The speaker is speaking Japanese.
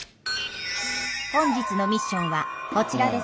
本日のミッションはこちらです。